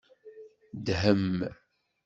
Dhem.